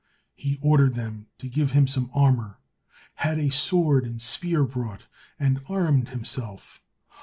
He ordered them to give him some armour, had a sword and spear brought, and armed himself.